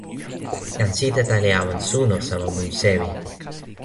jan Sitata li awen suno sama mun sewi.